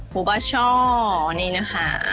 ผมก็ชอบนี่นะคะ